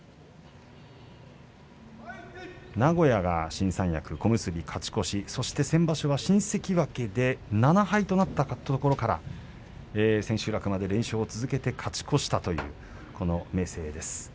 名古屋が新三役小結で勝ち越し、そして先場所は新関脇で７敗となったところで千秋楽まで連勝して勝ち越したという明生です。